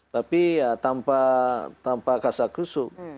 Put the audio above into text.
tapi ya tanpa kasar kusuk